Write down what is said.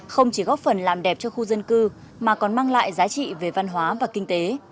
không chỉ góp phần làm đẹp cho khu dân cư mà còn mang lại giá trị về văn hóa và kinh tế